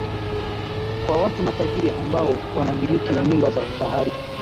kwa watu matajiri ambao wanamiliki nyumba za kifahari